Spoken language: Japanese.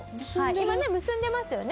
今ね結んでますよね。